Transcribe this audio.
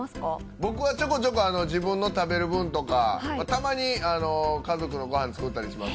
僕はちょこちょこ自分の食べる分とか、たまに家族のごはんを作ったりもします。